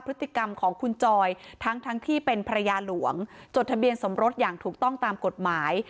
พฤติกรรมของคุณจอยทั้งทั้งที่เป็นภรรยาหลวงจดทะเบียนสมรสอย่างถูกต้องตามกฎหมาย